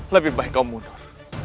lebih baik kau mundur